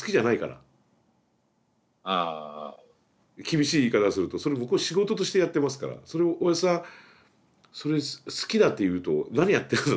厳しい言い方するとそれ向こう仕事としてやってますからそれをおやぢさんそれを好きだって言うと何やってるのって話ですよ。